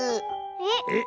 えっ⁉